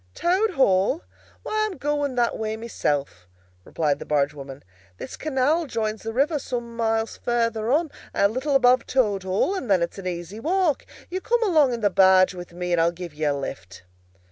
"Toad Hall? Why, I'm going that way myself," replied the barge woman. "This canal joins the river some miles further on, a little above Toad Hall; and then it's an easy walk. You come along in the barge with me, and I'll give you a lift."